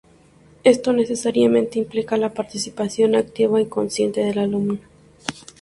Esto necesariamente implica la participación activa y consciente del alumno.